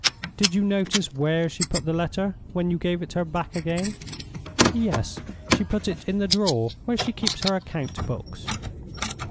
"Did you notice where she put the letter when you gave it her back again?" "Yes. She put it in the drawer where she keeps her account books."